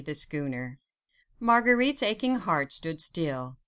THE SCHOONER Marguerite's aching heart stood still.